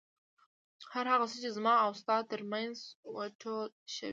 هر هغه څه چې زما او ستا تر منځ و ټول ښه وو.